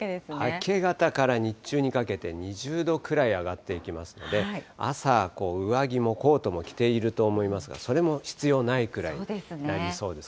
明け方から日中にかけて２０度くらい上がっていきますので、朝、上着もコートも着ていると思いますけれども、それも必要ないくらいになりそうです。